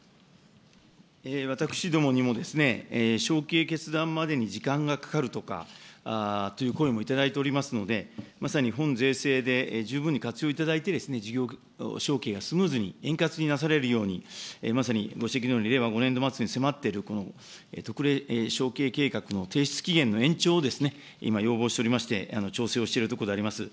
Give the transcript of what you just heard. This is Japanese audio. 私どもにも、承継決断までに時間がかかるとかという声も頂いておりますので、まさに本税制で十分に活用いただいて、事業承継がスムーズに、円滑になされるように、まさにご指摘のように、令和５年度末に迫っているこの特例承継計画の提出期限の延長を、今、要望しておりまして、調整をしているところであります。